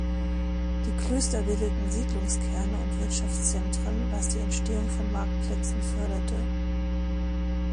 Die Klöster bildeten Siedlungskerne und Wirtschaftszentren, was die Entstehung von Marktplätzen förderte.